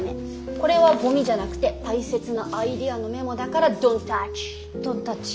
これはゴミじゃなくて大切なアイデアのメモだからＤｏｎ’ｔｔｏｕｃｈ！ドンタッチ。